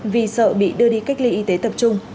vì sợ bị đưa đi cách ly y tế tập trung